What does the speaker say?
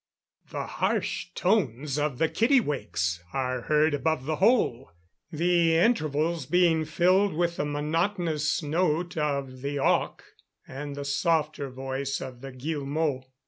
The harsh tones of the kittiwakes are heard above the whole, the intervals being filled with the monotonous note of the auk, and the softer voice of the guillemot.